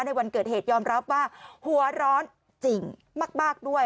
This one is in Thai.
ในวันเกิดเหตุยอมรับว่าหัวร้อนจริงมากด้วย